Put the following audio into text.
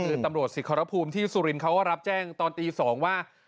คือตำรวจสิทรภูมิที่สุรินทร์เขาก็รับแจ้งตอนตี๒ว่า